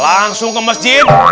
langsung ke masjid